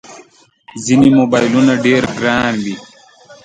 ځینې موبایلونه ډېر ګران وي.